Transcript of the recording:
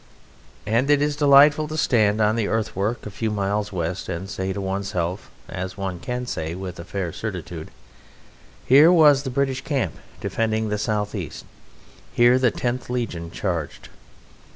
And it is delightful to stand on the earthwork a few miles west and to say to oneself (as one can say with a fair certitude), "Here was the British camp defending the south east; here the tenth legion charged."